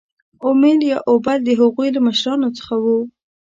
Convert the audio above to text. اومیل یا اوبل د هغوی له مشرانو څخه وو.